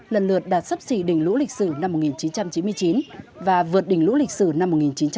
lần lượt đạt sấp xỉ đỉnh lũ lịch sử năm một nghìn chín trăm chín mươi chín và vượt đỉnh lũ lịch sử năm một nghìn chín trăm bảy mươi